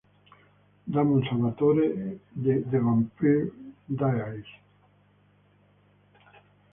Damon Salvatore de The Vampire Diaries.